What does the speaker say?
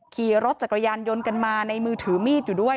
ขี่รถจักรยานยนต์กันมาในมือถือมีดอยู่ด้วย